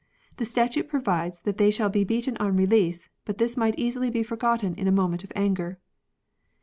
The statute provides that they shall be beaten on release, but this might easily be forgotten in a moment of anger.